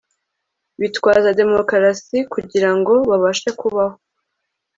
bitwaza demokarasi kugira ngo babashe kubaho